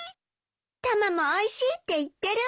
タマもおいしいって言ってるわ。